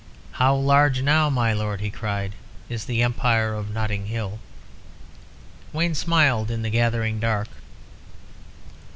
"How large now, my lord," he cried, "is the Empire of Notting Hill?" Wayne smiled in the gathering dark.